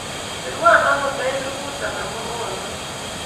Serwo agonda elipu anan ko bogol mut